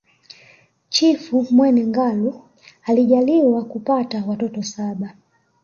Chifu Mwene Ngalu alijaliwakupata watoto saba